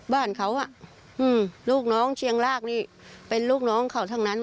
บ้านเขาลูกน้องเชียงลากนี่เป็นลูกน้องเขาทั้งนั้น